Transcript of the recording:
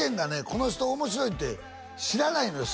この人面白いって知らないのよ